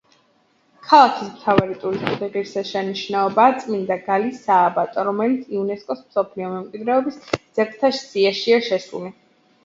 ქალაქის მთავარი ტურისტული ღირსშესანიშნაობაა წმინდა გალის სააბატო, რომელიც იუნესკოს მსოფლიო მემკვიდრეობის ძეგლთა სიაშია შესული.